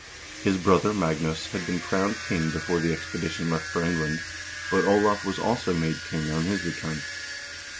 His brother Magnus had been crowned king before the expedition left for England, but Olav was also made king on his return.